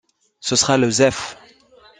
Ce sera le Zef.